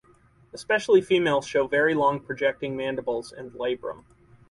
Especially females show very long projecting mandibles and labrum.